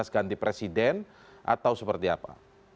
ganti presiden atau seperti apa